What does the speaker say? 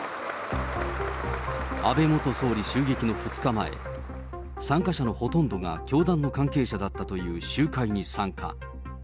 安倍元総理襲撃の２日前、参加者のほとんどが教団の関係者だったという集会に参加。